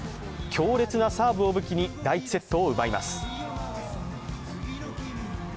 強烈なサーブを武器に第１セットを奪います。